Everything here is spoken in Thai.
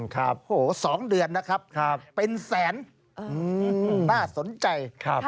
ครับโหสองเดือนนะครับเป็นแสนน่าสนใจครับ